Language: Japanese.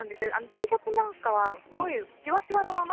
Ｔシャツなんかはしわしわのまま。